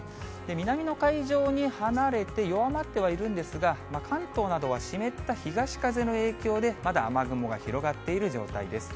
南の海上に離れて、弱まってはいるんですが、関東などは湿った東風の影響で、まだ雨雲が広がっている状態です。